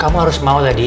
kamu harus mau lady